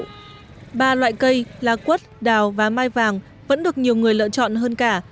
còn cây lá quất đào và mai vàng vẫn được nhiều người lựa chọn hơn cả